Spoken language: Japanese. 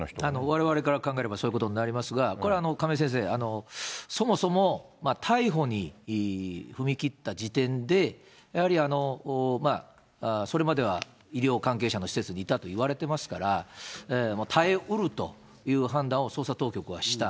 われわれから考えればそういうことになりますが、これ、亀井先生、そもそも、逮捕に踏み切った時点で、やはりそれまでは医療関係者の施設にいたといわれてますから、もう耐えうるという判断を、捜査当局はした。